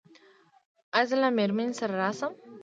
ایا زه له میرمنې سره راشم؟